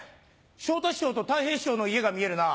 昇太師匠とたい平師匠の家が見えるな。